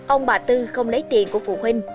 ông bà tư không lấy tiền của phụ huynh